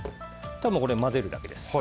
あとは混ぜるだけです。